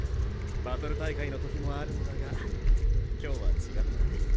バトル大会のときもあるんだが今日は違ったね。